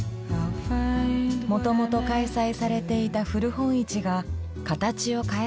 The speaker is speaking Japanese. もともと開催されていた古本市が形を変えたという。